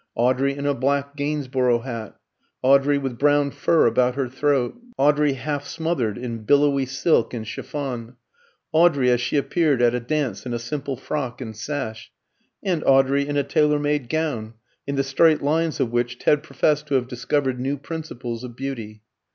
Audrey in a black Gainsborough hat, Audrey with brown fur about her throat, Audrey half smothered in billowy silk and chiffon, Audrey as she appeared at a dance in a simple frock and sash, and Audrey in a tailor made gown, in the straight lines of which Ted professed to have discovered new principles of beauty.